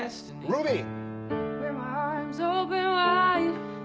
ルビー！